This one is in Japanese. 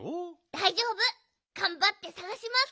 だいじょうぶがんばってさがします。